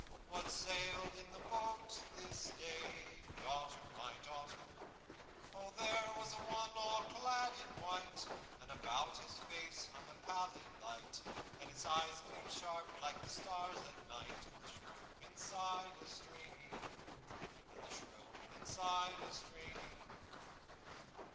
What sailed in the boat this day, Daughter, my daughter?' 'Oh, there was one all clad in white, And about his face hung a pallid light, And his eyes gleamed sharp like the stars at night, And the shrill wind sighed a straining.'